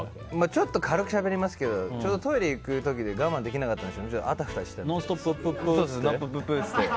ちょっと軽くしゃべりますけどちょうどトイレに行く時で我慢できなかったんでしょうねノンストップップって？